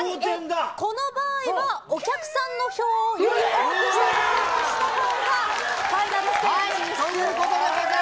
この場合はお客さんの票をより多く獲得した方がファイナルステージ進出です。